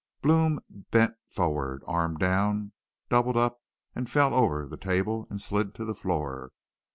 "Blome bent forward, arm down, doubled up, and fell over the table and slid to the floor.